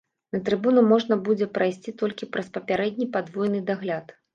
На трыбуну можна будзе прайсці толькі праз папярэдні падвойны дагляд.